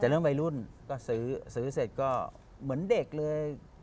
แต่เรื่องวัยรุ่นก็ซื้อซื้อเสร็จก็เหมือนเด็กเลย